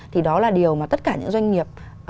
thì đó là điều mà tất cả những doanh nghiệp